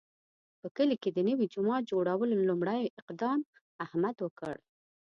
په کلي کې د نوي جومات جوړولو لومړی اقدام احمد وکړ.